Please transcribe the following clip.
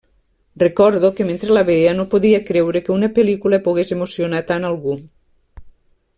Recordo que mentre la veia no podia creure que una pel·lícula pogués emocionar tant algú.